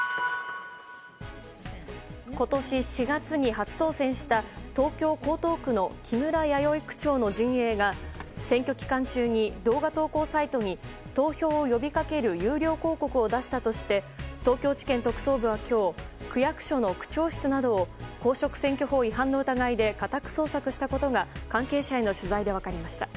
今年４月に初当選した東京・江東区の木村弥生区長の陣営が選挙期間中に動画投稿サイトに投票を呼び掛ける有料広告を出したとして東京地検特捜部は今日、区役所の区長室などを公職選挙法違反などの疑いで家宅捜索したことが関係者への取材で分かりました。